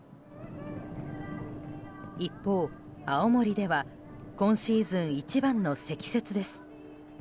一方、青森では今シーズン一番の積雪です。